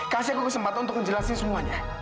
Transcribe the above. kasih aku kesempatan untuk ngejelasi semuanya